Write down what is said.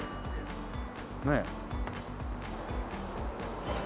ねえ。